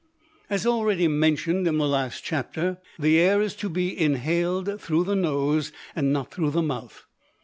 As already mentioned in the last chapter, the air is to be inhaled through the nose, and not through the mouth.